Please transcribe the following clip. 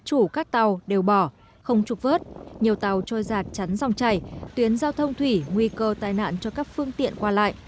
chủ các tàu đều bỏ không trục vớt nhiều tàu trôi giạt chắn dòng chảy tuyến giao thông thủy nguy cơ tai nạn cho các phương tiện qua lại